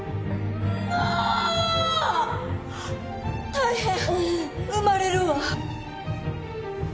大変生まれるわ。